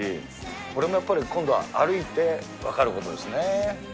これもやっぱり、今度は歩いて分かることですね。